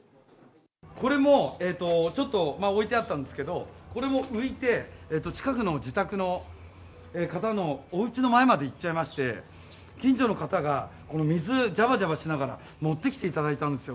これも、ちょっと置いてあったんですけど、これも浮いて、近くの自宅の方のおうちの前まで行っちゃいまして、近所の方が、この水じゃばじゃばしながら持ってきていただいたんですよ。